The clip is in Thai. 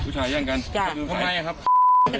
ผู้ชายแย่งกัน